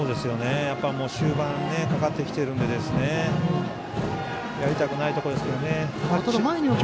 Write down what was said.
終盤かかってきているのでやりたくないところですけどね。